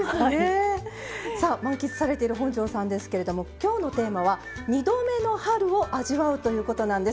満喫されている本上さんですけれども今日のテーマは「２度目の春を味わう」ということなんです。